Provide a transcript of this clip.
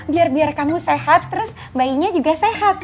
biar biar kamu sehat terus bayinya juga sehat